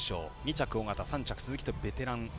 ２着緒方、３着鈴木とベテラン。